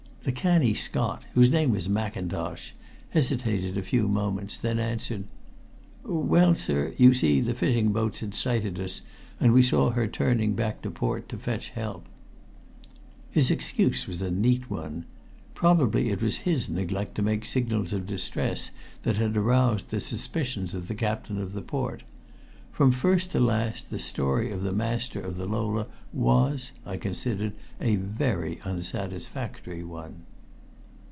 The canny Scot, whose name was Mackintosh, hesitated a few moments, then answered "Well, sir, you see the fishing boat had sighted us, and we saw her turning back to port to fetch help." His excuse was a neat one. Probably it was his neglect to make signals of distress that had aroused the suspicions of the Captain of the Port. From first to last the story of the master of the Lola was, I considered, a very unsatisfactory one.